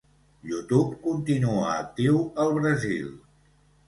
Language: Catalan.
YouTube continua actiu al Brasil.